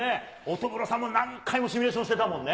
乙黒さんも何回もシミュレーションしてたもんね。